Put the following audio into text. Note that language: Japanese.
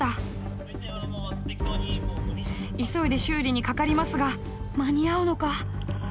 急いで修理にかかりますが間に合うのか？